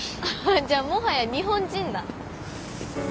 じゃもはや日本人だ。